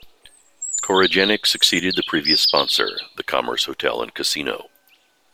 Coregenx succeeded the previous sponsor, The Commerce Hotel and Casino.